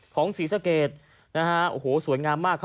ของศีรสะเกดนะฮะโอ้โหสวยงามมาก